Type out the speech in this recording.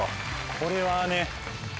これはね。